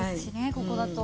ここだと。